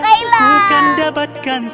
aduh tangan ama kamu kailan